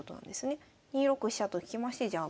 ２六飛車と引きましてじゃあ